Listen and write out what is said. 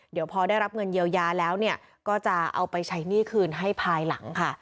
เดี๋ยวพอได้รับเงินเยียวยาแล้วก็จะเอาไปใช้หนี้คืนให้ภายหลังค่ะ